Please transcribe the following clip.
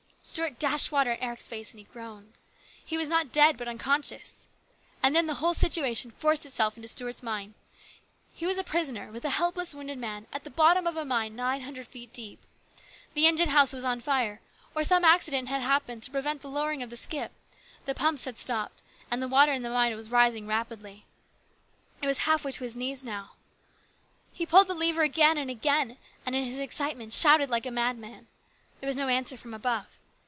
Stuart dashed water in Eric's face, and he groaned. He was not dead but unconscious. And then the whole situation forced itself into Stuart's mind. He was a prisoner with a helpless wounded man, at the bottom of a mine nine hundred feet deep ; the engine house was on fire, or some accident had happened to prevent the lowering of the skip, the pumps had stopped, and the water in the mine was rising rapidly. It was halfway to his knees now. He pulled the lever again and again, and in his excitement shouted like a madman. There was no answer from above.